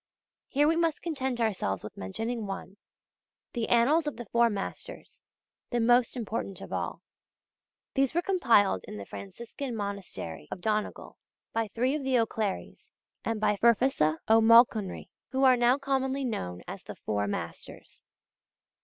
Here we must content ourselves with mentioning one, the Annals of the Four Masters, the most important of all. These were compiled in the Franciscan monastery of Donegal, by three of the O'Clerys, and by Ferfesa O'Mulconry, who are now commonly known as the 'Four Masters.